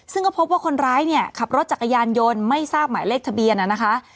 ซึ่งก็พบว่าคนร้ายเนี่ยขับรถจักรยานยนต์ไม่ทราบหมายเลขทะเบียนนะคะ